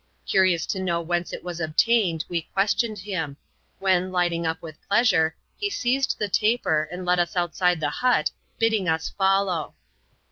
Curious to know whence it was obtained, we questioned him ; when, lighting up with pleasure, he seized the taper, and led us outside the hut, bidding us follow.